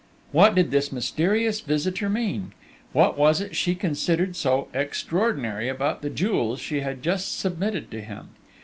What did this mysterious visitor mean? What was it she considered so "extraordinary" about the jewels she had just submitted to him?...